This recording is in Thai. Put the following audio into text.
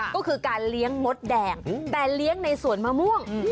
ก็คือการเลี้ยงมดแดงแต่เลี้ยงในสวนมะม่วง